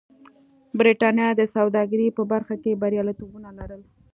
برېټانیا د سوداګرۍ په برخه کې بریالیتوبونه لرل.